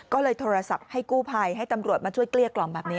ก็เลยโทรศัพท์ให้กู้ภัยให้ตำรวจมาช่วยเกลี้ยกล่อมแบบนี้